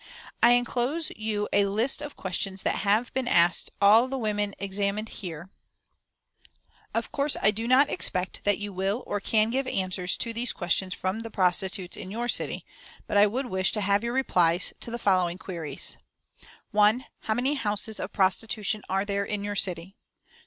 I inclose you a list of questions that have been asked all the women examined here. Of course I do not expect that you will or can give answers to these questions from the prostitutes in your city, but I would wish to have your replies to the following queries: "1. How many houses of prostitution are there in your city?